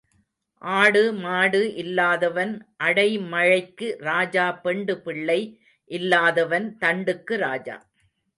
ஆடு மாடு இல்லாதவன் அடைமழைக்கு ராஜா பெண்டு பிள்ளை இல்லாதவன் தண்டுக்கு ராஜா.